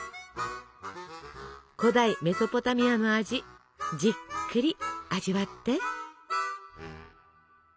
古代メソポタミアの味じっくり味わって。